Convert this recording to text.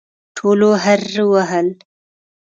ټولو هررر وهل.